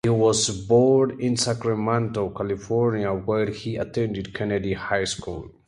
He was born in Sacramento, California, where he attended Kennedy High School.